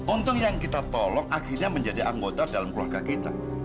untung yang kita tolong akhirnya menjadi anggota dalam keluarga kita